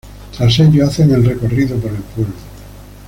Tras ello, hacen el recorrido por el pueblo.